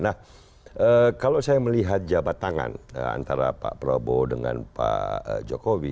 nah kalau saya melihat jabat tangan antara pak prabowo dengan pak jokowi